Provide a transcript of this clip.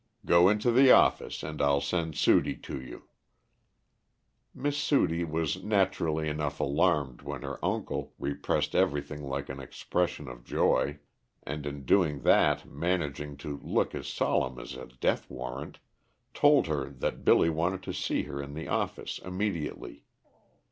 Go into the office, and I'll send Sudie to you." Miss Sudie was naturally enough alarmed when her uncle, repressing everything like an expression of joy, and in doing that managing to look as solemn as a death warrant, told her that Billy wanted to see her in the office immediately.